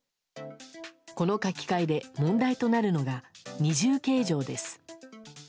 この書き換えで問題となるのが二重計上です。